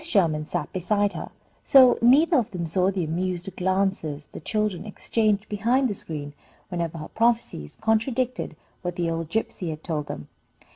Sherman sat beside her, so neither of them saw the amused glances the children exchanged behind the screen, whenever her prophecies contradicted what the old gypsy had told them.